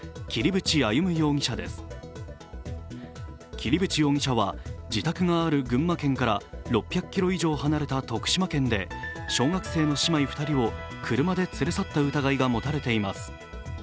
桐淵容疑者は自宅がある群馬県から６００ｋｍ以上離れた徳島県で小学生の姉妹２人を車で連れ去った疑いが持たれています。